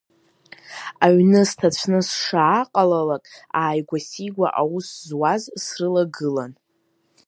Аҩны сҭацәны сшааҟалалак, ааигәасигәа аус зуаз срылагылан.